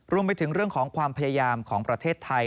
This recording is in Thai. รวมไปถึงเรื่องของความพยายามของประเทศไทย